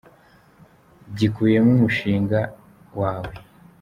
gikubiyemo umushinga wawe.